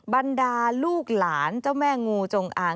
บรรดาลูกหลานเจ้าแม่งูจงอ่าง